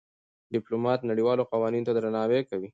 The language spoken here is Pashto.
ډيپلومات نړېوالو قوانينو ته درناوی کوي.